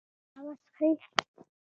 ایا قهوه څښئ؟